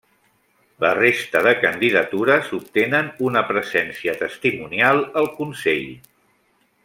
La resta de candidatures obtenen una presència testimonial al consell.